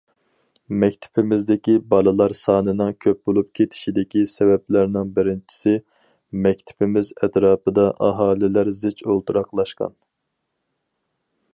مەكتىپىمىزدىكى بالىلار سانىنىڭ كۆپ بولۇپ كېتىشىدىكى سەۋەبلەرنىڭ بىرىنچىسى، مەكتىپىمىز ئەتراپىدا ئاھالىلەر زىچ ئولتۇراقلاشقان.